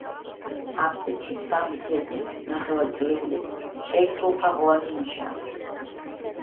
აფსიდში სამი გეგმით ნახევარწრიული, შეისრულთაღოვანი ნიშაა.